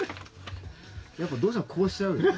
やっぱどうしてもこうしちゃうよね。